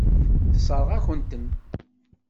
Tessṛeɣ-akent-ten.